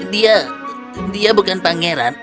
dia dia bukan pangeran